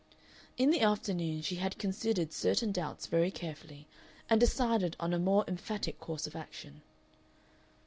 In the afternoon she had considered certain doubts very carefully, and decided on a more emphatic course of action.